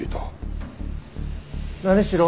何しろ